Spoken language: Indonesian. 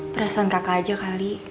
perasaan kakak aja kali